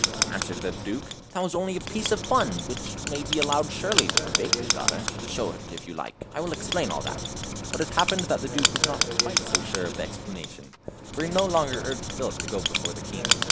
answered the Duke, "that was only a piece of fun, which may be allowed surely with a baker's daughter. Show it if you like, I will explain all that." But it appeared that the Duke was not quite so sure of the explanation, for he no longer urged Philip to go before the King.